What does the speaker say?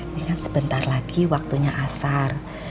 ini kan sebentar lagi waktunya asar